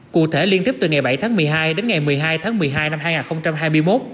cụ thể liên tiếp từ ngày bảy tháng một mươi hai đến ngày một mươi hai tháng một mươi hai năm hai nghìn hai mươi một